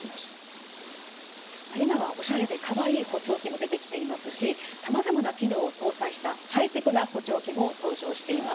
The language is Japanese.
今はオシャレでかわいい補聴器も出てきていますしさまざまな機能を搭載したハイテクな補聴器も登場しています。